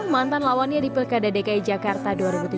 mantan lawannya di pilkada dki jakarta